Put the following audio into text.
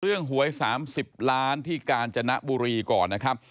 หวย๓๐ล้านที่กาญจนบุรีก่อนนะครับ